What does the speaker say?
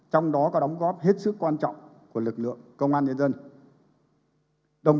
trong đó có đóng góp hết sức quan trọng của lực lượng công an nhân dân